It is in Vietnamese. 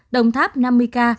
đồng tháp năm mươi ca